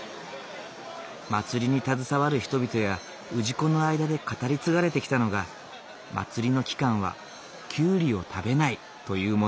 祭りに携わる人々や氏子の間で語り継がれてきたのが祭りの期間はキュウリを食べないというもの。